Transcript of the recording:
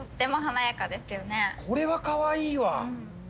これはかわいいわ。